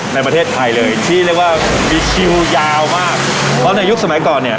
ในประเทศไทยเลยที่เรียกว่ามีคิวยาวมากเพราะในยุคสมัยก่อนเนี่ย